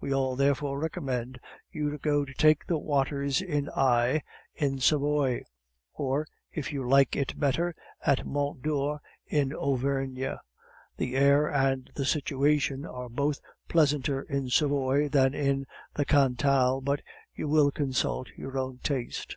We all, therefore, recommend you to go to take the waters in Aix in Savoy; or, if you like it better, at Mont Dore in Auvergne; the air and the situation are both pleasanter in Savoy than in the Cantal, but you will consult your own taste."